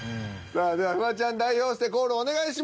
さあではフワちゃん代表してコールお願いします。